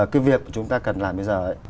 cái việc chúng ta cần làm bây giờ ấy